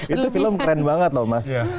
itu film keren banget loh mas